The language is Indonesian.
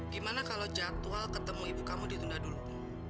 gimana kalau jadwal ketemu ibu kamu ditunda dulu